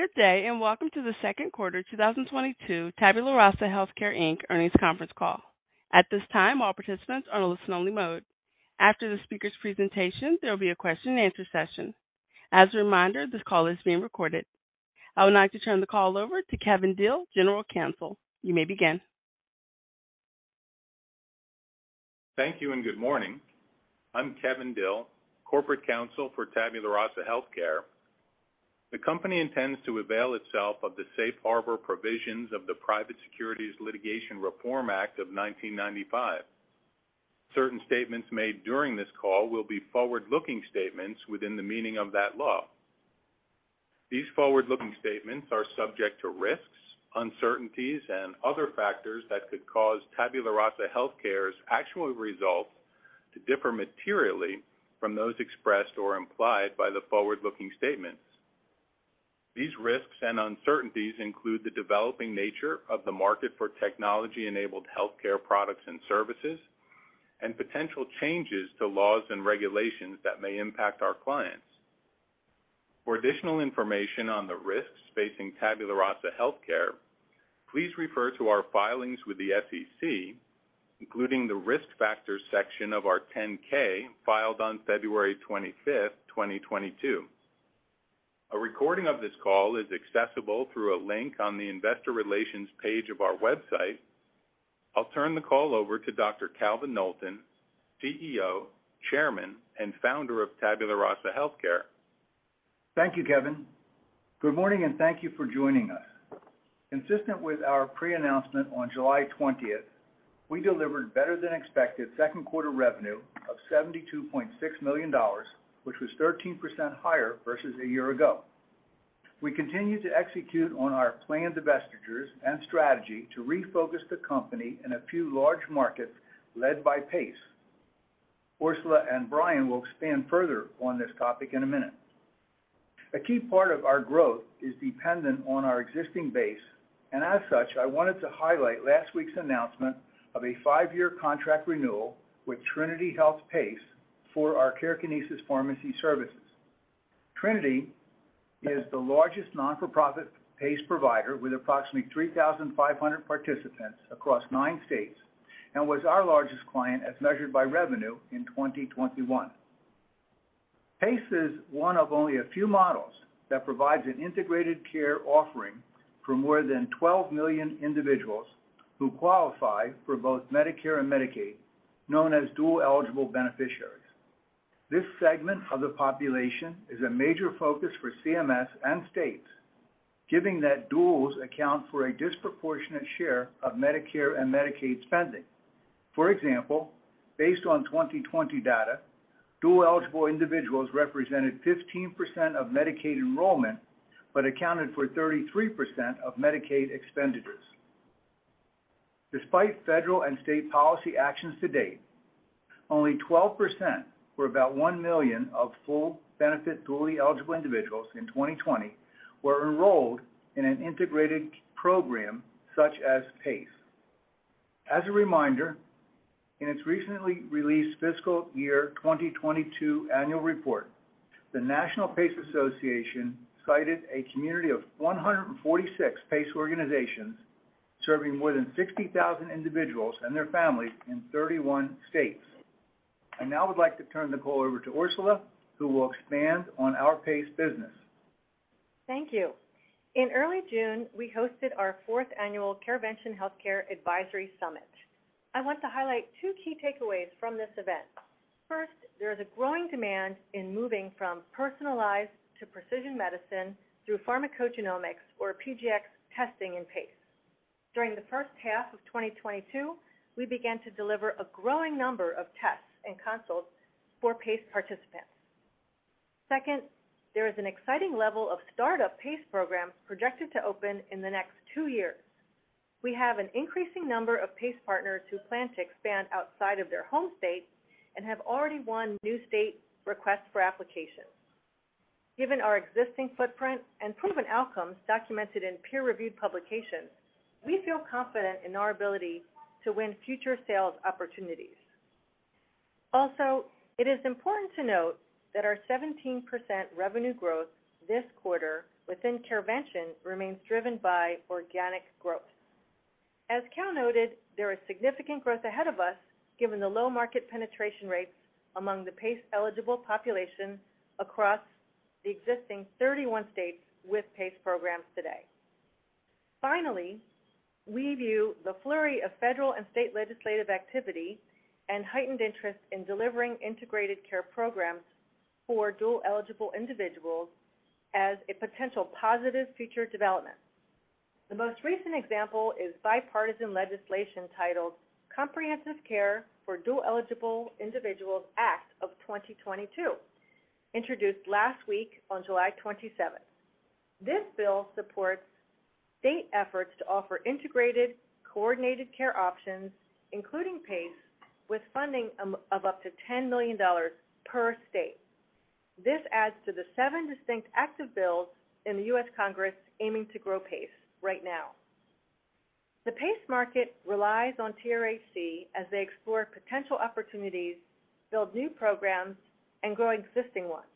Good day, and welcome to the Second Quarter 2022 Tabula Rasa HealthCare, Inc. Earnings Conference Call. At this time, all participants are in listen-only mode. After the speaker's presentation, there will be a Q&A session. As a reminder, this call is being recorded. I would like to turn the call over to Kevin Dill, General Counsel. You may begin. Thank you, and good morning. I'm Kevin Dill, corporate counsel for Tabula Rasa HealthCare. The company intends to avail itself of the safe harbor provisions of the Private Securities Litigation Reform Act of 1995. Certain statements made during this call will be forward-looking statements within the meaning of that law. These forward-looking statements are subject to risks, uncertainties and other factors that could cause Tabula Rasa HealthCare's actual results to differ materially from those expressed or implied by the forward-looking statements. These risks and uncertainties include the developing nature of the market for technology-enabled healthcare products and services and potential changes to laws and regulations that may impact our clients. For additional information on the risks facing Tabula Rasa HealthCare, please refer to our filings with the SEC, including the Risk Factors section of our 10-K filed on February 25, 2022. A recording of this call is accessible through a link on the Investor Relations page of our website. I'll turn the call over to Dr. Calvin Knowlton, CEO, Chairman and Founder of Tabula Rasa HealthCare. Thank you, Kevin. Good morning, and thank you for joining us. Consistent with our pre-announcement on July 20th, we delivered better than expected second quarter revenue of $72.6 million, which was 13% higher versus a year ago. We continue to execute on our planned divestitures and strategy to refocus the company in a few large markets led by PACE. Orsula and Brian will expand further on this topic in a minute. A key part of our growth is dependent on our existing base, and as such, I wanted to highlight last week's announcement of a five-year contract renewal with Trinity Health PACE for our CareKinesis pharmacy services. Trinity is the largest non-for-profit PACE provider with approximately 3,500 participants across nine states, and was our largest client as measured by revenue in 2021. PACE is one of only a few models that provides an integrated care offering for more than 12 million individuals who qualify for both Medicare and Medicaid, known as dual-eligible beneficiaries. This segment of the population is a major focus for CMS and states, given that duals account for a disproportionate share of Medicare and Medicaid spending. For example, based on 2020 data, dual-eligible individuals represented 15% of Medicaid enrollment, but accounted for 33% of Medicaid expenditures. Despite federal and state policy actions to date, only 12%, or about 1 million of full benefit dually eligible individuals in 2020 were enrolled in an integrated program such as PACE. As a reminder, in its recently released fiscal year 2022 annual report, the National PACE Association cited a community of 146 PACE organizations serving more than 60,000 individuals and their families in 31 states. I now would like to turn the call over to Orsula, who will expand on our PACE business. Thank you. In early June, we hosted our fourth annual CareVention HealthCare Advisory Summit. I want to highlight two key takeaways from this event. First, there is a growing demand in moving from personalized to precision medicine through pharmacogenomics or PGX testing in PACE. During the first half of 2022, we began to deliver a growing number of tests and consults for PACE participants. Second, there is an exciting level of start-up PACE programs projected to open in the next two years. We have an increasing number of PACE partners who plan to expand outside of their home state and have already won new state requests for applications. Given our existing footprint and proven outcomes documented in peer-reviewed publications, we feel confident in our ability to win future sales opportunities. Also, it is important to note that our 17% revenue growth this quarter within CareVention remains driven by organic growth. As Cal noted, there is significant growth ahead of us given the low market penetration rates among the PACE eligible population across the existing 31 states with PACE programs today. Finally, we view the flurry of federal and state legislative activity and heightened interest in delivering integrated care programs for dual-eligible individuals as a potential positive future development. The most recent example is bipartisan legislation titled Comprehensive Care for Dual-Eligible Individuals Act of 2022, introduced last week on July 27. This bill supports state efforts to offer integrated coordinated care options, including PACE with funding of up to $10 million per state. This adds to the seven distinct active bills in the U.S. Congress aiming to grow PACE right now. The PACE market relies on TRHC as they explore potential opportunities, build new programs, and grow existing ones.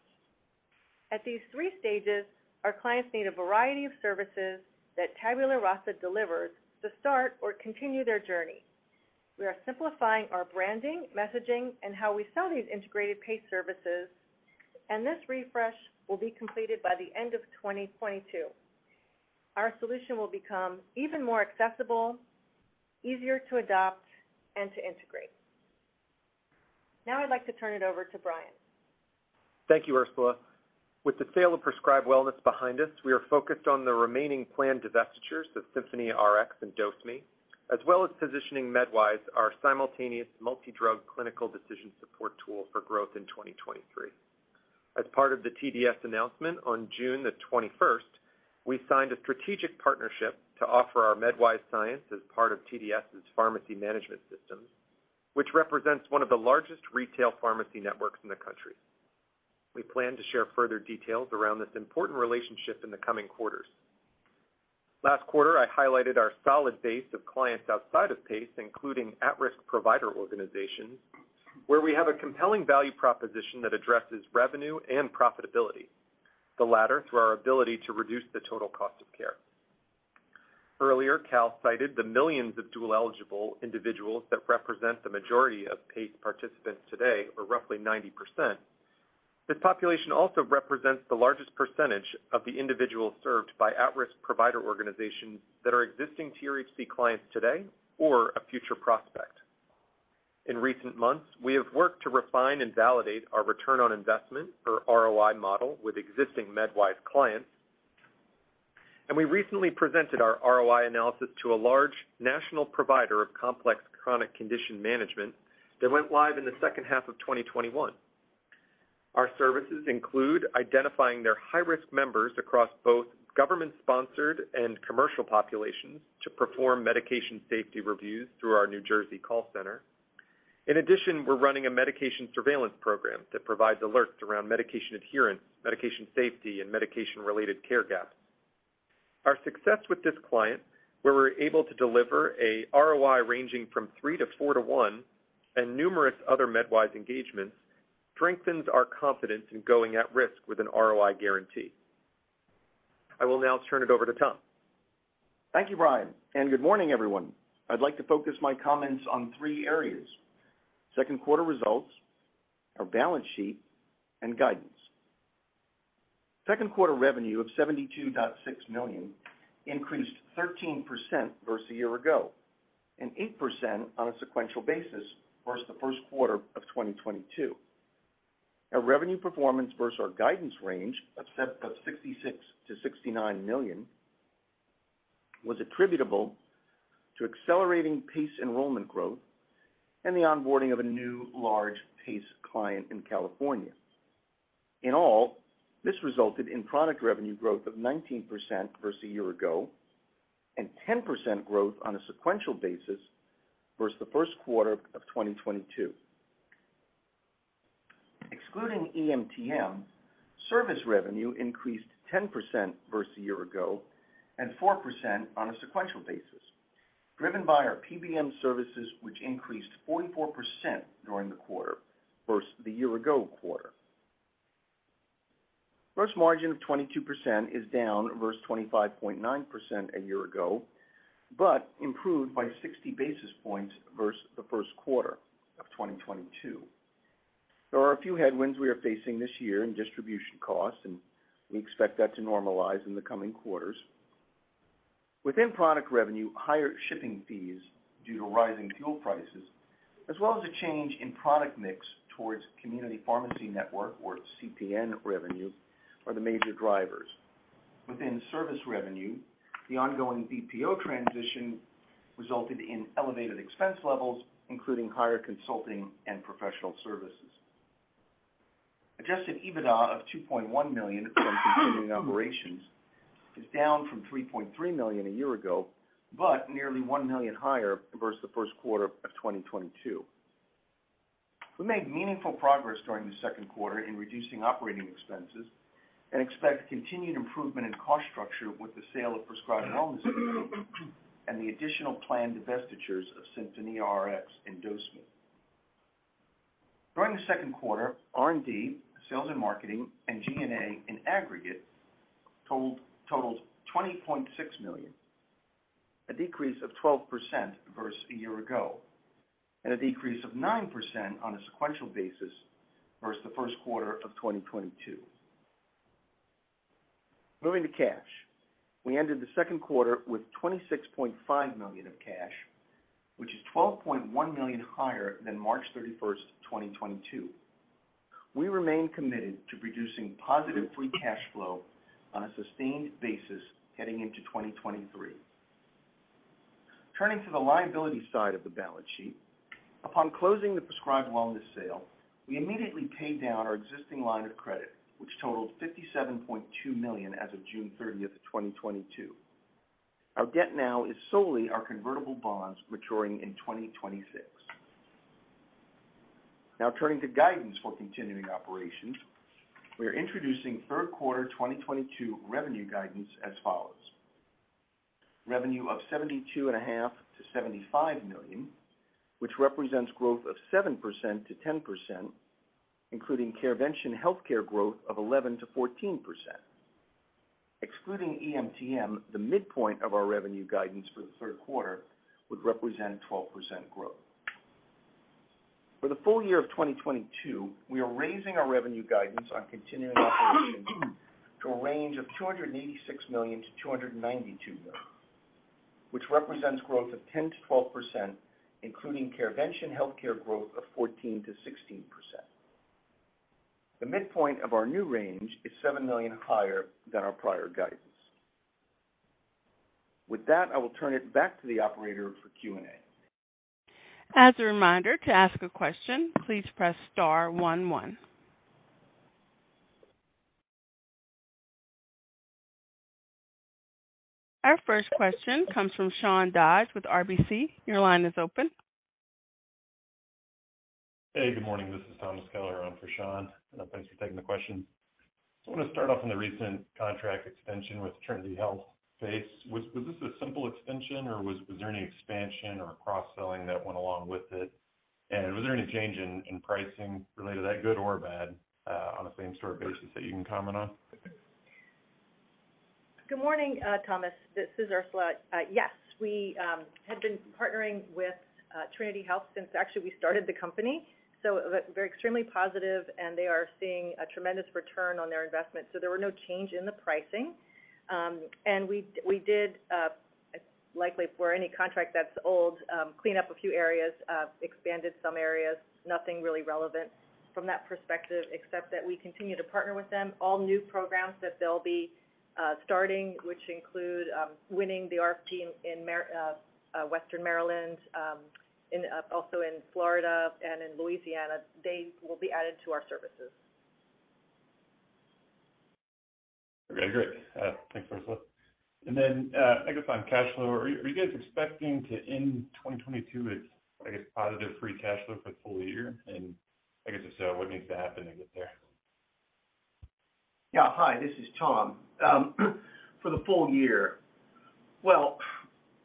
At these three stages, our clients need a variety of services that Tabula Rasa delivers to start or continue their journey. We are simplifying our branding, messaging, and how we sell these integrated PACE services, and this refresh will be completed by the end of 2022. Our solution will become even more accessible, easier to adopt, and to integrate. Now I'd like to turn it over to Brian. Thank you, Orsula. With the sale of PrescribeWellness behind us, we are focused on the remaining planned divestitures of SinfoníaRx and DoseMe, as well as positioning MedWise, our simultaneous multi-drug clinical decision support tool for growth in 2023. As part of the TDS announcement on June 21, we signed a strategic partnership to offer our MedWise science as part of TDS' pharmacy management systems, which represents one of the largest retail pharmacy networks in the country. We plan to share further details around this important relationship in the coming quarters. Last quarter, I highlighted our solid base of clients outside of PACE, including at-risk provider organizations, where we have a compelling value proposition that addresses revenue and profitability, the latter through our ability to reduce the total cost of care. Earlier, Cal cited the millions of dual-eligible individuals that represent the majority of PACE participants today, or roughly 90%. This population also represents the largest percentage of the individuals served by at-risk provider organizations that are existing TRHC clients today or a future prospect. In recent months, we have worked to refine and validate our return on investment, or ROI model, with existing MedWise clients. We recently presented our ROI analysis to a large national provider of complex chronic condition management that went live in the second half of 2021. Our services include identifying their high-risk members across both government-sponsored and commercial populations to perform medication safety reviews through our New Jersey call center. In addition, we're running a medication surveillance program that provides alerts around medication adherence, medication safety, and medication-related care gaps. Our success with this client, where we're able to deliver an ROI ranging from three to four to one and numerous other MedWise engagements, strengthens our confidence in going at risk with an ROI guarantee. I will now turn it over to Tom. Thank you, Brian, and good morning, everyone. I'd like to focus my comments on three areas, second quarter results, our balance sheet, and guidance. Second quarter revenue of $72.6 million increased 13% versus a year ago and 8% on a sequential basis versus the first quarter of 2022. Our revenue performance versus our guidance range of $66 million-$69 million was attributable to accelerating PACE enrollment growth and the onboarding of a new large PACE client in California. In all, this resulted in product revenue growth of 19% versus a year ago and 10% growth on a sequential basis versus the first quarter of 2022. Excluding EMTM, service revenue increased 10% versus a year ago and 4% on a sequential basis, driven by our PBM services, which increased 44% during the quarter versus the year-ago quarter. Gross margin of 22% is down versus 25.9% a year ago, but improved by 60 basis points versus the first quarter of 2022. There are a few headwinds we are facing this year in distribution costs, and we expect that to normalize in the coming quarters. Within product revenue, higher shipping fees due to rising fuel prices, as well as a change in product mix towards community pharmacy network, or CPN revenue, are the major drivers. Within service revenue, the ongoing BPO transition resulted in elevated expense levels, including higher consulting and professional services. Adjusted EBITDA of $2.1 million from continuing operations is down from $3.3 million a year ago, but nearly $1 million higher versus the first quarter of 2022. We made meaningful progress during the second quarter in reducing operating expenses and expect continued improvement in cost structure with the sale of PrescribeWellness and the additional planned divestitures of SinfoníaRx and DoseMe. During the second quarter, R&D, sales and marketing, and G&A in aggregate totaled $20.6 million, a decrease of 12% versus a year ago, and a decrease of 9% on a sequential basis versus the first quarter of 2022. Moving to cash. We ended the second quarter with $26.5 million of cash, which is $12.1 million higher than March 31, 2022. We remain committed to producing positive free cash flow on a sustained basis heading into 2023. Turning to the liability side of the balance sheet. Upon closing the PrescribeWellness sale, we immediately paid down our existing line of credit, which totaled $57.2 million as of June 30, 2022. Our debt now is solely our convertible bonds maturing in 2026. Now turning to guidance for continuing operations. We are introducing third quarter 2022 revenue guidance as follows. Revenue of $72.5 million-$70 million, which represents growth of 7%-10%, including CareVention HealthCare growth of 11%-14%. Excluding EMTM, the midpoint of our revenue guidance for the third quarter would represent 12% growth. For the full year of 2022, we are raising our revenue guidance on continuing operations to a range of $286 million-$292 million, which represents growth of 10%-12%, including CareVention HealthCare growth of 14%-16%. The midpoint of our new range is $7 million higher than our prior guidance. With that, I will turn it back to the operator for Q&A. As a reminder, to ask a question, please press star one. Our first question comes from Sean Dodge with RBC. Your line is open. Hey, good morning. This is Thomas Kelliher on for Sean. Thanks for taking the question. I wanna start off on the recent contract extension with Trinity Health PACE. Was this a simple extension, or was there any expansion or cross-selling that went along with it? Was there any change in pricing related to that, good or bad, on a same-store basis that you can comment on? Good morning, Thomas. This is Orsula. Yes, we had been partnering with Trinity Health since actually we started the company. They're extremely positive, and they are seeing a tremendous return on their investment. There were no change in the pricing. We did likely for any contract that's old clean up a few areas, expanded some areas, nothing really relevant from that perspective, except that we continue to partner with them all new programs that they'll be starting, which include winning the RFP in Western Maryland, in also in Florida and in Louisiana, they will be added to our services. Okay, great. Thanks, Orsula. I guess on cash flow, are you guys expecting to end 2022 with, I guess, positive free cash flow for the full year? I guess if so, what needs to happen to get there? Yeah. Hi, this is Tom. For the full year, well,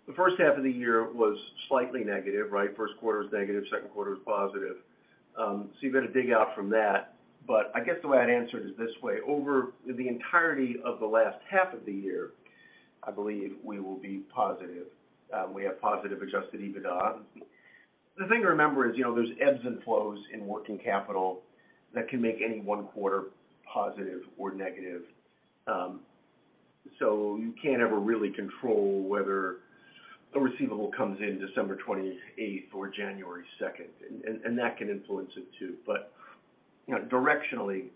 the first half of the year was slightly negative, right? First quarter was negative, second quarter was positive. So you've got to dig out from that. I guess the way I'd answer it is this way. Over the entirety of the last half of the year, I believe we will be positive. We have positive adjusted EBITDA. The thing to remember is, you know, there's ebbs and flows in working capital that can make any one quarter positive or negative. So you can't ever really control whether a receivable comes in December twenty-eighth or January second, and that can influence it, too. You know, directionally,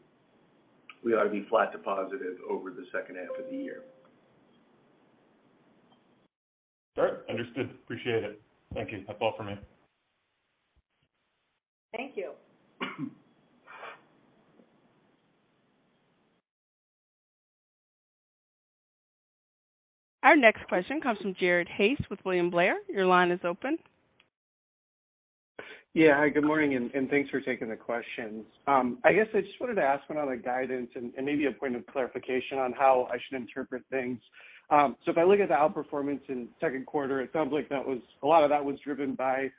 we ought to be flat to positive over the second half of the year. All right. Understood. Appreciate it. Thank you. That's all for me. Thank you. Our next question comes from Jared Haase with William Blair. Your line is open. Yeah. Hi, good morning, and thanks for taking the questions. I guess I just wanted to ask one on the guidance and maybe a point of clarification on how I should interpret things. If I look at the outperformance in second quarter, it sounds like a lot of that was driven by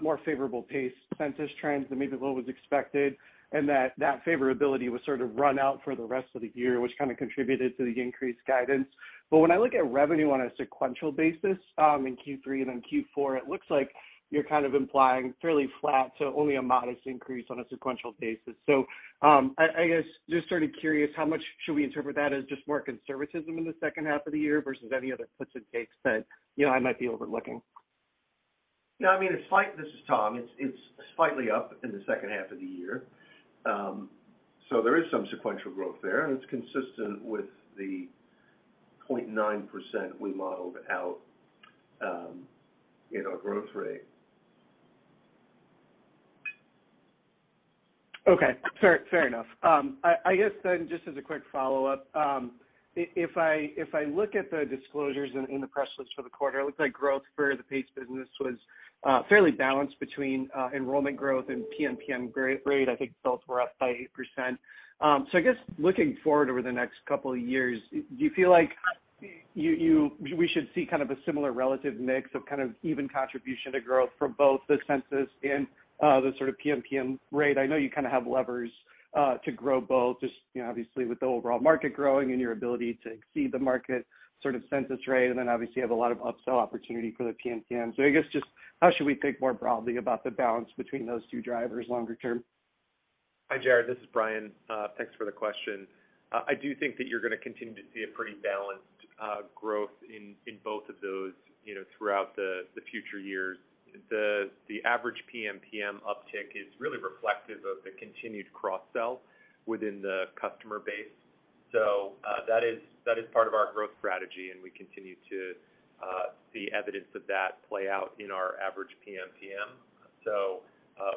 more favorable PACE census trends than maybe what was expected, and that favorability was sort of run out for the rest of the year, which kind of contributed to the increased guidance. When I look at revenue on a sequential basis in Q3 and then Q4, it looks like you're kind of implying fairly flat to only a modest increase on a sequential basis. I guess just sort of curious, how much should we interpret that as just more conservatism in the second half of the year versus any other puts and takes that, you know, I might be overlooking? Yeah, I mean, this is Tom. It's slightly up in the second half of the year. So there is some sequential growth there, and it's consistent with the 0.9% we modeled out in our growth rate. Okay. Fair enough. I guess then just as a quick follow-up, if I look at the disclosures in the press release for the quarter, it looks like growth for the PACE business was fairly balanced between enrollment growth and PMPM rate. I think both were up by 8%. I guess looking forward over the next couple of years, do you feel like we should see kind of a similar relative mix of kind of even contribution to growth from both the census and the sort of PMPM rate? I know you kind of have levers to grow both, just you know, obviously with the overall market growing and your ability to exceed the market sort of census rate and then obviously have a lot of upsell opportunity for the PMPM. I guess just how should we think more broadly about the balance between those two drivers longer term? Hi, Jared. This is Brian. Thanks for the question. I do think that you're gonna continue to see a pretty balanced growth in both of those, you know, throughout the future years. The average PMPM uptick is really reflective of the continued cross-sell within the customer base. That is part of our growth strategy, and we continue to see evidence of that play out in our average PMPM.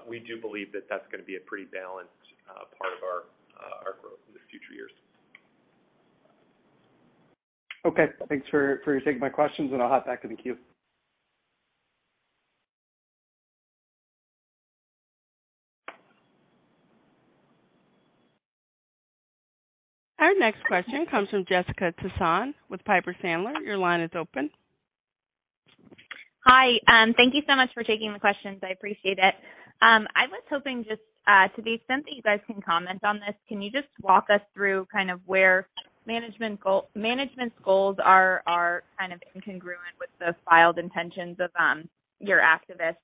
We do believe that that's gonna be a pretty balanced part of our growth in the future years. Okay. Thanks for taking my questions, and I'll hop back in the queue. Our next question comes from Jessica Tassan with Piper Sandler. Your line is open. Hi, thank you so much for taking the questions. I appreciate it. I was hoping just, to the extent that you guys can comment on this, can you just walk us through kind of where management's goals are kind of incongruent with the filed intentions of your activists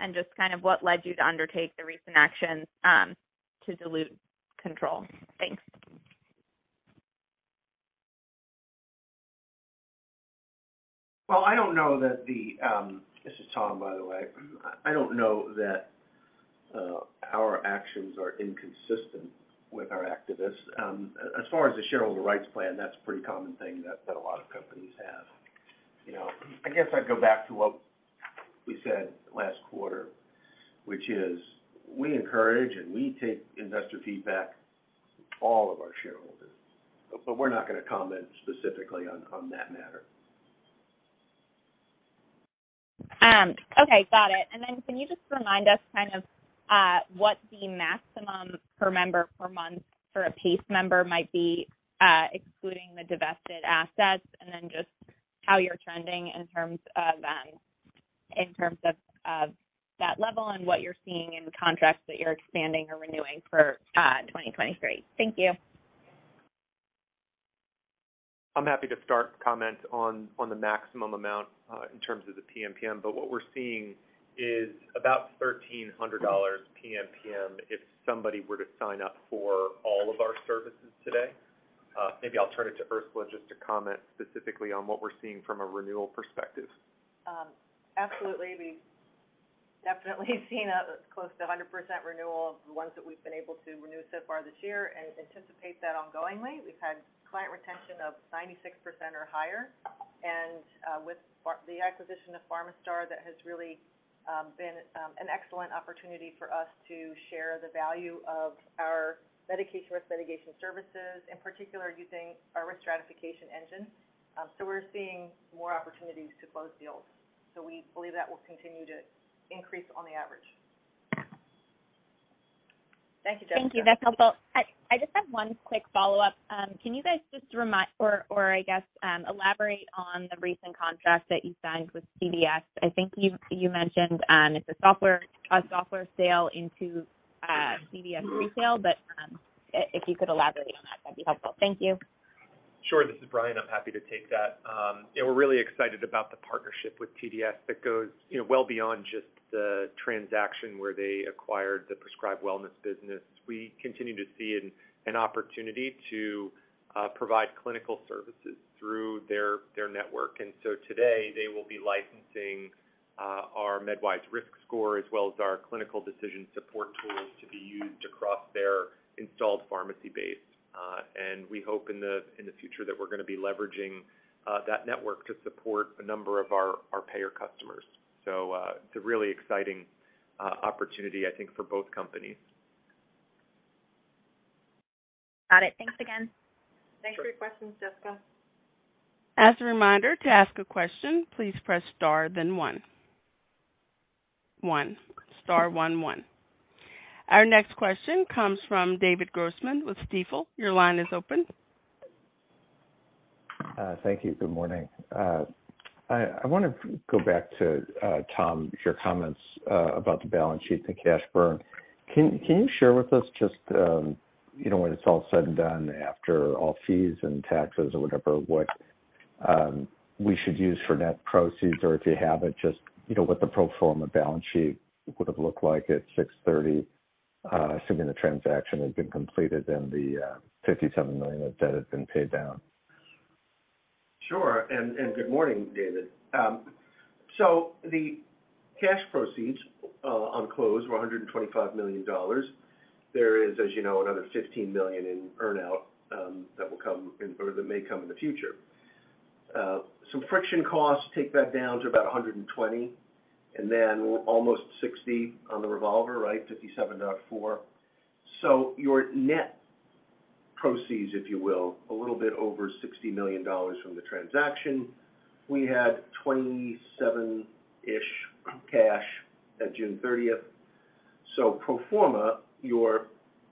and just kind of what led you to undertake the recent actions to dilute control? Thanks. Well, this is Tom, by the way. I don't know that our actions are inconsistent with our investors. As far as the shareholder rights plan, that's a pretty common thing that a lot of companies have. You know, I guess I'd go back to what we said last quarter, which is we encourage and we take investor feedback from all of our shareholders, but we're not gonna comment specifically on that matter. Can you just remind us kind of what the maximum per member per month for a PACE member might be, excluding the divested assets, and then just how you're trending in terms of that level and what you're seeing in the contracts that you're expanding or renewing for 2023. Thank you. I'm happy to start comment on the maximum amount in terms of the PMPM, but what we're seeing is about $1,300 PMPM if somebody were to sign up for all of our services today. Maybe I'll turn it to Orsula just to comment specifically on what we're seeing from a renewal perspective. Absolutely. We've definitely seen a close to 100% renewal of the ones that we've been able to renew so far this year and anticipate that ongoingly. We've had client retention of 96% or higher. With the acquisition of Pharmastar, that has really been an excellent opportunity for us to share the value of our medication risk mitigation services, in particular using our risk stratification engine. We're seeing more opportunities to close deals. We believe that will continue to increase on the average. Thank you. That's helpful. I just have one quick follow-up. Can you guys just remind, or I guess, elaborate on the recent contract that you signed with CVS? I think you've mentioned it's a software sale into CVS retail, but if you could elaborate on that'd be helpful. Thank you. Sure. This is Brian. I'm happy to take that. Yeah, we're really excited about the partnership with CVS that goes, you know, well beyond just the transaction where they acquired the PrescribeWellness business. We continue to see an opportunity to provide clinical services through their network. Today, they will be licensing our MedWise Risk Score, as well as our clinical decision support tools to be used across their installed pharmacy base. We hope in the future that we're gonna be leveraging that network to support a number of our payer customers. It's a really exciting opportunity, I think, for both companies. Got it. Thanks again. Thanks for your questions, Jessica. As a reminder, to ask a question, please press star then one. Our next question comes from David Grossman with Stifel. Your line is open. Thank you. Good morning. I wanna go back to Tom, your comments about the balance sheet and the cash burn. Can you share with us just you know, when it's all said and done, after all fees and taxes or whatever, what we should use for net proceeds, or if you have it, just you know, what the pro forma balance sheet would have looked like at June 30, assuming the transaction had been completed and the $57 million of debt had been paid down? Sure. Good morning, David. So the cash proceeds on close were $125 million. There is, as you know, another $15 million in earn-out that will come or that may come in the future. Some friction costs take that down to about $120 million, and then almost $60 million on the revolver, right? $57.4 million. So your net proceeds, if you will, a little bit over $60 million from the transaction. We had $27-ish million cash at June 30. So pro forma, your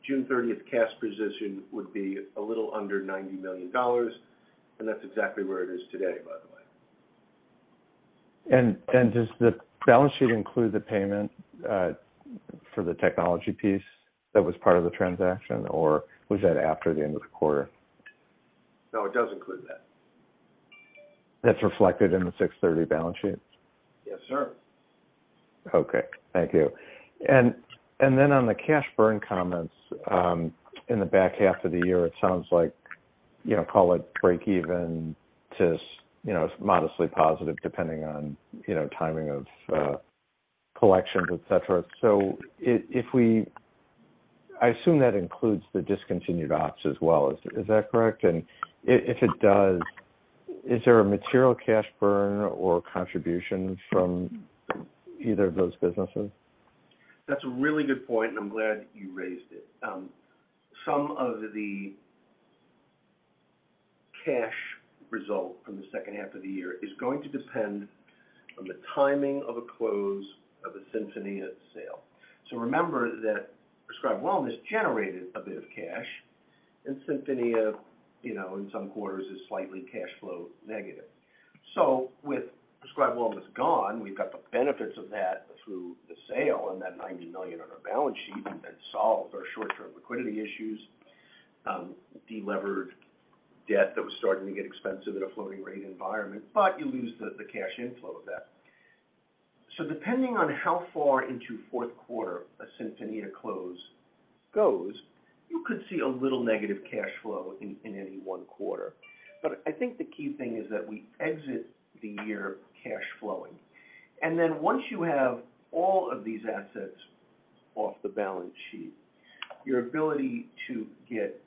June 30 cash position would be a little under $90 million, and that's exactly where it is today, by the way. Does the balance sheet include the payment for the technology piece that was part of the transaction, or was that after the end of the quarter? No, it does include that. That's reflected in the 6/30 balance sheet? Yes, sir. Okay. Thank you. On the cash burn comments, in the back half of the year, it sounds like, you know, call it break even to, you know, modestly positive, depending on, you know, timing of collections, et cetera. I assume that includes the discontinued ops as well. Is that correct? And if it does, is there a material cash burn or contribution from either of those businesses? That's a really good point, and I'm glad you raised it. Some of the cash result from the second half of the year is going to depend on the timing of a close of a Sinfonía sale. Remember that PrescribeWellness generated a bit of cash, and Sinfonía, you know, in some quarters, is slightly cash flow negative. With PrescribeWellness gone, we've got the benefits of that through the sale and that $90 million on our balance sheet, and that solved our short-term liquidity issues, delevered debt that was starting to get expensive in a floating rate environment, but you lose the cash inflow of that. Depending on how far into fourth quarter a Sinfonía close goes, you could see a little negative cash flow in any one quarter. I think the key thing is that we exit the year cash flowing. Once you have all of these assets off the balance sheet, your ability to get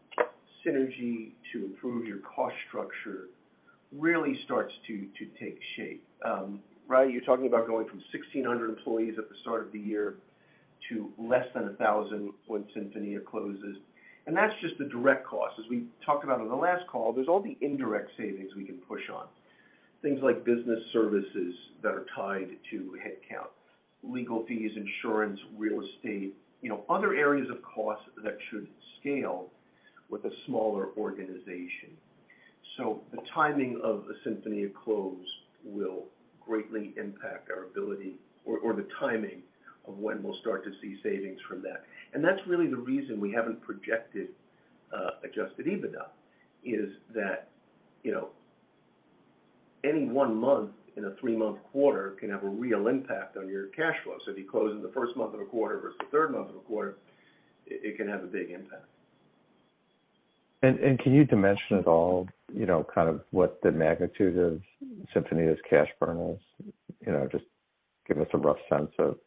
synergy to improve your cost structure really starts to take shape. Right, you're talking about going from 1,600 employees at the start of the year to less than 1,000 when Sinfonía closes. That's just the direct cost. As we talked about on the last call, there's all the indirect savings we can push on. Things like business services that are tied to headcount, legal fees, insurance, real estate, you know, other areas of cost that should scale with a smaller organization. The timing of the Sinfonía close will greatly impact our ability or the timing of when we'll start to see savings from that. That's really the reason we haven't projected adjusted EBITDA, is that, you know, any one month in a three-month quarter can have a real impact on your cash flow. So if you close in the first month of a quarter versus the third month of a quarter, it can have a big impact. Can you dimension at all, you know, kind of what the magnitude of Sinfonía's cash burn is? You know, just give us a rough sense of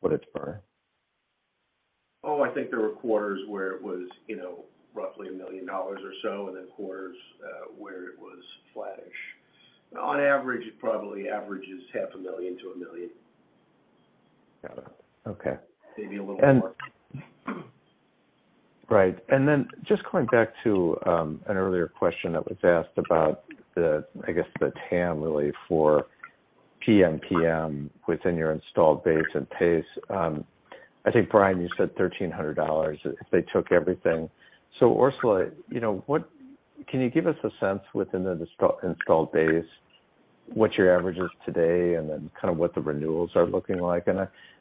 what it's burning. Oh, I think there were quarters where it was, you know, roughly $1 million or so, and then quarters where it was flattish. On average, it probably averages half a million to $1 million. Got it. Okay. Maybe a little more. Right. Just going back to an earlier question that was asked about the, I guess, the TAM really for PMPM within your installed base and PACE. I think, Brian, you said $1,300 if they took everything. Orsula, you know, what can you give us a sense within the installed base, what your average is today, and then kind of what the renewals are looking like?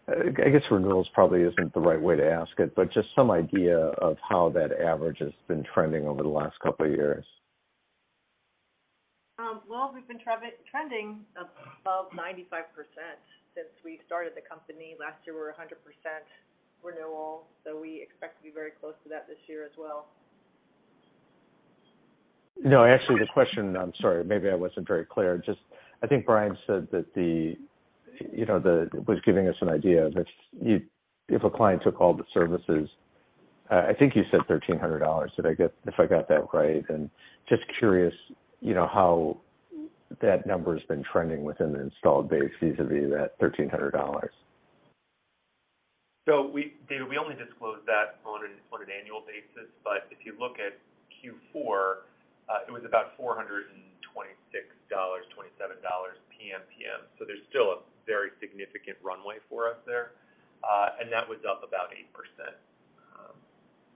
I guess renewals probably isn't the right way to ask it, but just some idea of how that average has been trending over the last couple of years. Well, we've been trending above 95% since we started the company. Last year, we were 100% renewal, so we expect to be very close to that this year as well. No, actually, the question. I'm sorry. Maybe I wasn't very clear. Just I think Brian said that the, you know, was giving us an idea of if a client took all the services, I think you said $1,300. Did I get if I got that right. Just curious, you know, how that number's been trending within the installed base vis-à-vis that $1,300. David, we only disclose that on an annual basis. If you look at Q4, it was about $426, $427 PMPM. There's still a very significant runway for us there. And that was up about 8%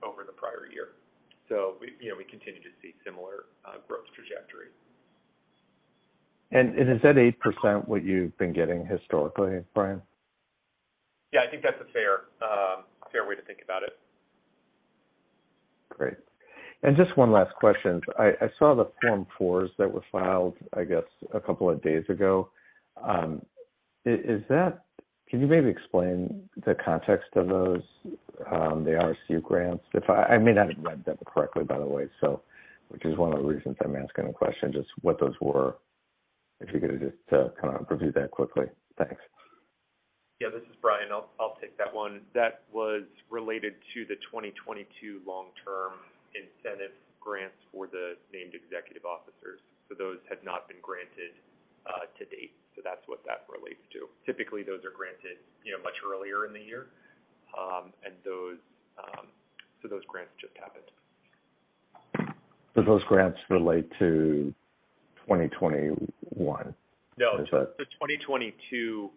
over the prior year. You know, we continue to see similar growth trajectory. Is that 8% what you've been getting historically, Brian? Yeah, I think that's a fair way to think about it. Great. Just one last question. I saw the Form 4s that were filed, I guess, a couple of days ago. Can you maybe explain the context of those, the RSU grants? I may not have read them correctly, by the way, so which is one of the reasons I'm asking the question, just what those were. If you could just kind of review that quickly. Thanks. Yeah. This is Brian. I'll take that one. That was related to the 2022 long-term incentive grants for the named executive officers. Those had not been granted to date. That's what that relates to. Typically, those are granted, you know, much earlier in the year. Those grants just happened. Do those grants relate to 2021? No. Is that? The 2022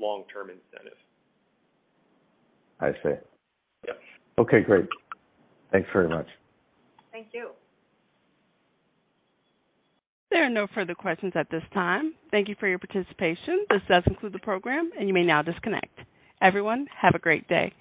long-term incentive. I see. Yeah. Okay, great. Thanks very much. Thank you. There are no further questions at this time. Thank you for your participation. This does conclude the program, and you may now disconnect. Everyone, have a great day.